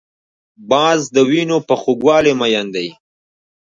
باز د وینو په خوږوالي مین دی